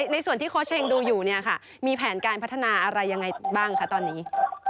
ในส่วนที่โค้ชเฮงดูอยู่เนี่ยค่ะมีแผนการพัฒนาอะไรยังไงบ้างคะตอนนี้